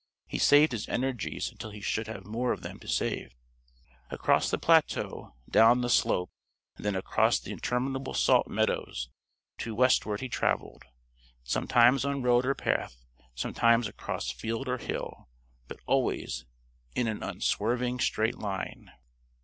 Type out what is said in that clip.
He saved his energies until he should have more of them to save. Across the plateau, down the slope, and then across the interminable salt meadows to westward he traveled; sometimes on road or path, sometimes across field or hill, but always in an unswerving straight line.